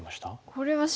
これは白